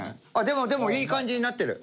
でもいい感じになってる。